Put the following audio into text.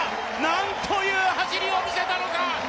なんという走りを見せたのか！